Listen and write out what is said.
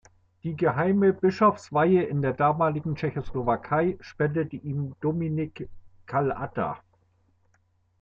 Die geheime Bischofsweihe in der damaligen Tschechoslowakei spendete ihm Dominik Kal’ata.